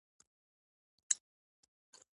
د ستوني د خارش لپاره باید څه وکاروم؟